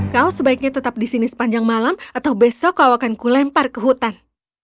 kau sebaiknya tetap di sini sepanjang malam atau besok kau akan ku lempar ke hutan